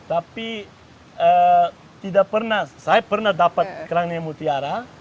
tapi tidak pernah saya pernah dapat kerangnya mutiara